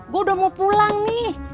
gue udah mau pulang nih